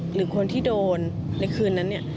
หรือคนที่โดนในคืนนั้นเนี่ย